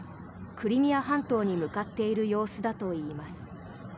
クリミア半島に向かっている様子だといいます。